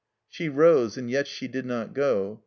She rose, and yet she did not go.